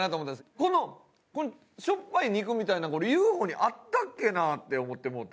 このしょっぱい肉みたいなのこれＵ．Ｆ．Ｏ．にあったっけな？って思ってもうて。